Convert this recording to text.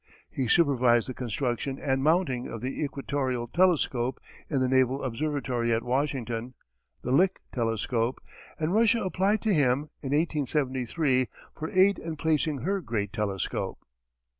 He supervised the construction and mounting of the equatorial telescope in the naval observatory at Washington, the Lick telescope, and Russia applied to him, in 1873, for aid in placing her great telescope.